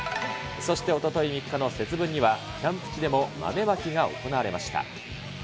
そしておととい３日の節分には、キャンプ地でも豆まきが行われました。